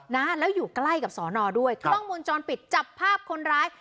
นะแล้วอยู่ใกล้กับสอนอด้วยกล้องวงจรปิดจับภาพคนร้าย